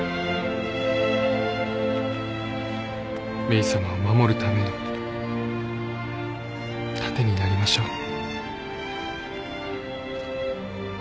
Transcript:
メイさまを守るための盾になりましょう。